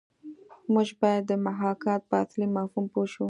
موږ باید د محاکات په اصلي مفهوم پوه شو